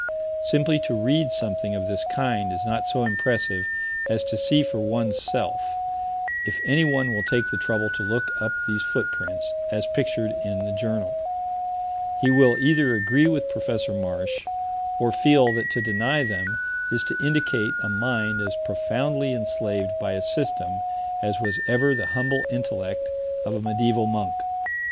Simply to read something of this kind is not so impressive as to see for one's self: if anyone will take the trouble to look up these footprints, as pictured in the Journal, he will either agree with Prof. Marsh or feel that to deny them is to indicate a mind as profoundly enslaved by a system as was ever the humble intellect of a medieval monk.